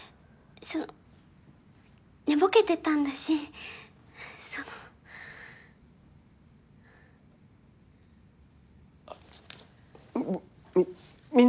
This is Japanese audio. その寝ぼけてたんだしそのあっみ